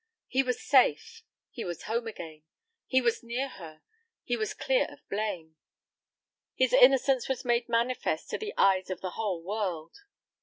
He was safe, he was home again, he was near her, he was clear of blame; his innocence was made manifest to the eyes of the whole world.